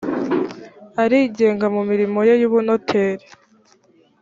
arigenga mu mirimo ye y’ubunoteri